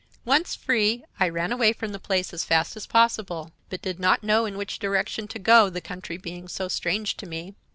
"Once free, I ran away from the place as fast as possible, but did not know in which direction to go, the country being so strange to me.